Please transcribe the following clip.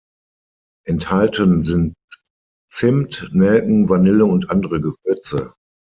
Enthalten sind Zimt, Nelken, Vanille und andere Gewürze.